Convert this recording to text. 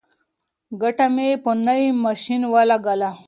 ګټه مې په نوي ماشین ولګوله.